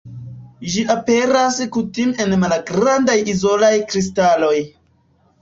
Ĝi aperas kutime en malgrandaj izolaj kristaloj.